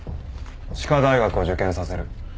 歯科大学を受験させる。